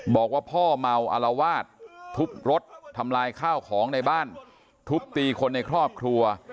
บอกว่าพ่อเมาอลวาดทุบรถทำลายข้าวของในบ้านทุบตีคนในครอบครัว